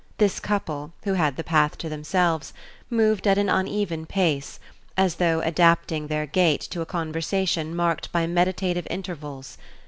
This couple, who had the path to themselves, moved at an uneven pace, as though adapting their gait to a conversation marked by meditative intervals.